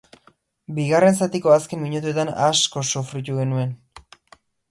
Bigarren zatiko azken minutuetan asko sofritu genuen.